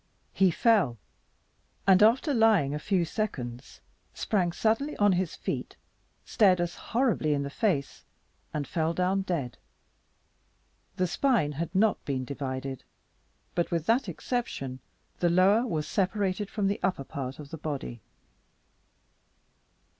He fell and after lying a few seconds, sprang suddenly on his feet, stared us horribly in the face, and fell down dead. The spine had not been divided; but with that exception, the lower was separated from the upper part of the body.